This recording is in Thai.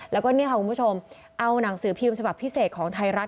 แล้วก็เนี่ยค่ะคุณผู้ชมเอาหนังสือพิมพ์ฉบับพิเศษของไทยรัฐ